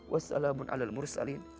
wassalamun ala al mursalin